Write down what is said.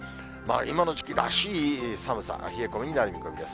今の時期らしい寒さ、冷え込みになる見込みです。